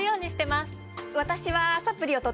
私は。